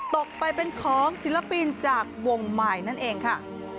ตกไปเป็นของศิลปินจากวงใหม่นั่นเองค่ะ